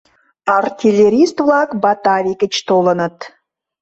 Артиллерист-влак Батавий гыч толыныт.